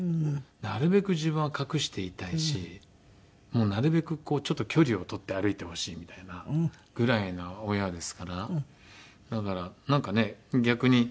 なるべく自分は隠していたいしなるべくちょっと距離をとって歩いてほしいみたいなぐらいな親ですから。